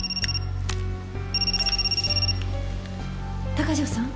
鷹城さん。